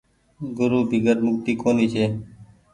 گورو بيگير مڪتي ڪونيٚ ڇي۔